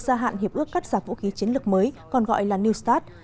gia hạn hiệp ước cắt giảm vũ khí chiến lược mới còn gọi là new start